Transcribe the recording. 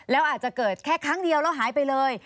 แล้วอาจจะเกิดแค่ครั้งเดียวแล้วหายไปเลย